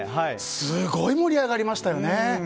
すごい盛り上がりましたよね。